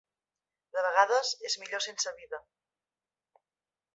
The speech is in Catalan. De vegades, és millor sense vida.